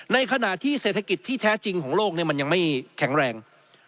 ในขณะที่เศรษฐกิจที่แท้จริงของโลกมันยังไม่แข็งแรง